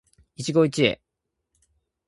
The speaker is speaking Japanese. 一期一会